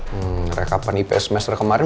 hmm rekapan ip semester kemarin